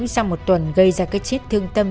sau một tuần gây ra cái chết thương tâm